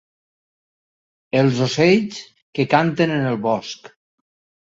Els ocells que canten en el bosc.